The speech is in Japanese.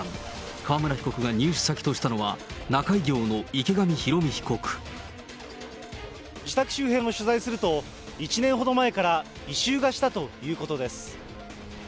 川村被告が入手先としたのは、自宅周辺を取材すると、１年ほど前から異臭がしたということです。